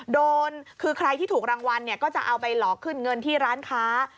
โดนคือใครที่ถูกรางวัลเนี่ยก็จะเอาไปหลอกขึ้นเงินที่ร้านค้า